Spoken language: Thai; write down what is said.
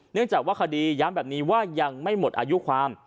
เนื่องจากว่าคดีย้ำแบบนี้ว่ายังไม่หมดอายุความ